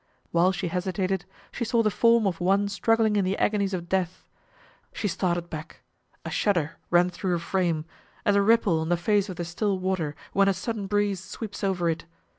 While she hesitated she saw the form of one struggling in the agonies of death. She started back, a shudder ran through her frame as a ripple on the face of the still water when a sudden breeze sweeps over it.